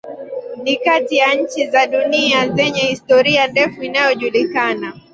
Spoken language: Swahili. Ni kati ya nchi za dunia zenye historia ndefu inayojulikana.